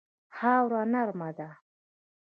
خاوره نرمه ده.